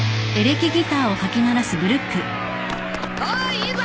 おいいぞ！